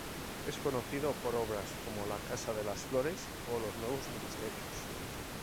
Es conocido por obras como la Casa de las Flores o los Nuevos Ministerios.